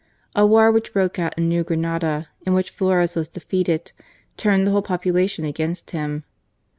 A war which broke out with New Granada, in which Flores was defeated, turned the whole population against him.